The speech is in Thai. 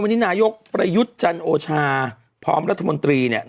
วันนี้นายกประยุทธ์จันโอชาพร้อมรัฐมนตรี